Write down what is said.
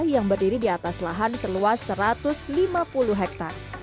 yang berdiri di atas lahan seluas satu ratus lima puluh hektare